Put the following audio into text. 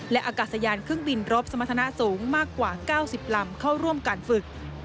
และอากาศยานเครื่องบินรบสมรรถนะสูงมากกว่า๙๐ลำเข้าร่วมการฝึก